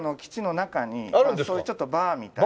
そういうちょっとバーみたいな。